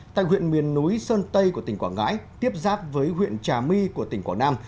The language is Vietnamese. tại huyện miền núi sơn tây của tỉnh quảng ngãi tiếp giáp với huyện trà my của tỉnh quảng nam